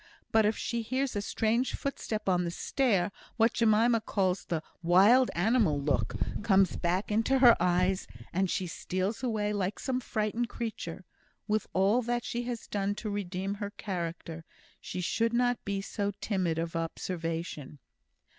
But if she hears a strange footstep on the stair, what Jemima calls the 'wild animal look' comes back into her eyes, and she steals away like some frightened creature. With all that she has done to redeem her character, she should not be so timid of observation."